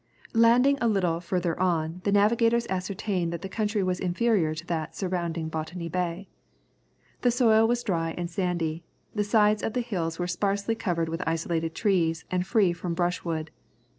] Landing a little further on, the navigators ascertained that the country was inferior to that surrounding Botany Bay. The soil was dry and sandy, the sides of the hills were sparsely covered with isolated trees and free from brush wood.